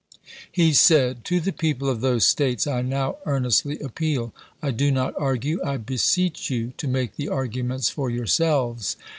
He said : "To the people of those States I now earnestly appeal. I do not argue ; I beseech you to make the arguments for yourselves.